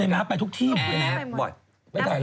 มา้ไปทุกที่มันโอเควะได้รายการก่อน